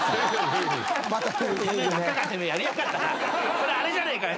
これあれじゃねえかよ！